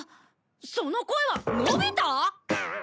その声はのび太！？